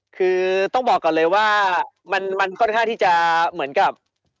คือต้องบอกก่อนเลยว่ามันค่อนข้างที่จะเหมือนกับ